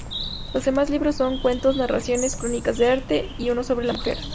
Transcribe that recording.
Los demás libros son: cuentos, narraciones, crónicas de arte y uno sobre la mujer.